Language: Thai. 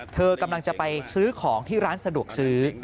เธอกำลังจะไปซื้อของที่ร้านสะดวกซื้อ